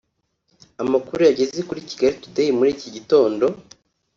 Amakuru yageze kuri Kigali Today muri iki gitondo